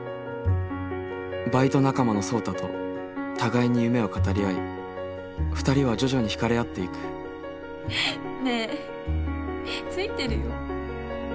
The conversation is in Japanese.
バイト仲間の聡太と互いに夢を語り合い２人は徐々に引かれ合っていくねえついてるよ。